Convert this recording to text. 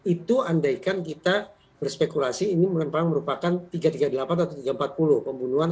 itu andaikan kita berspekulasi ini merupakan tiga ratus tiga puluh delapan atau tiga ratus empat puluh pembunuhan